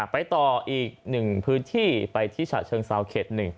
ไปต่ออีก๑พื้นที่ไปที่ฉะเชิงซาวเคล็ด๑